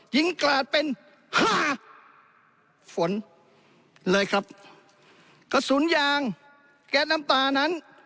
กราดเป็นห้าฝนเลยครับกระสุนยางแก๊สน้ำตานั้น